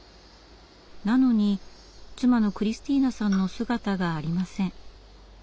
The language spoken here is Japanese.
なのに妻のクリスティーナさんの姿がありません。